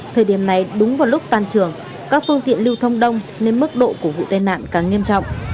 thời điểm này đúng vào lúc tan trường các phương tiện lưu thông đông nên mức độ của vụ tai nạn càng nghiêm trọng